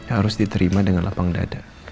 harus diterima dengan lapang dada